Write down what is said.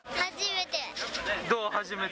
初めて。